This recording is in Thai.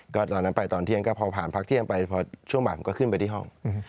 ก็ตอนนั้นไปตอนเที่ยงก็พอผ่านพักเที่ยงไปพอช่วงบ่ายก็ขึ้นไปที่ห้อง